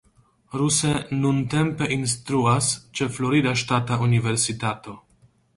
Ruse nuntempe instruas ĉe Florida Ŝtata Universitato.